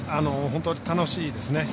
本当に楽しいですね。